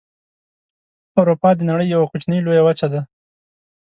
اروپا د نړۍ یوه کوچنۍ لویه وچه ده.